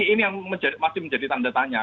ini yang masih menjadi tanda tanya